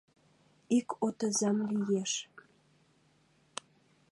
— Ик отызам лиеш.